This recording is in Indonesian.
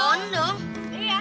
eh cepetan semua ya